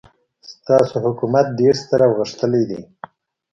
ستاسو حکومت ډېر ستر او غښتلی دی.